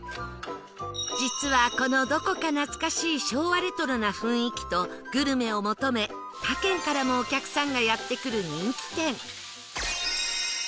実はこのどこか懐かしい昭和レトロな雰囲気とグルメを求め他県からもお客さんがやって来る人気店